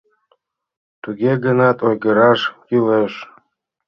Туге гынат ойгыраш кӱлеш.